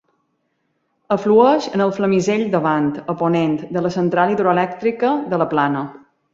Aflueix en el Flamisell davant, a ponent, de la Central hidroelèctrica de la Plana.